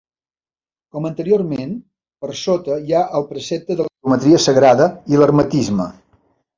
Com anteriorment, per sota hi ha el precepte de la geometria sagrada i l'hermetisme.